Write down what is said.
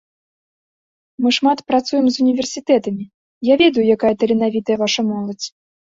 Мы шмат працуем з універсітэтамі, я ведаю, якая таленавітая ваша моладзь.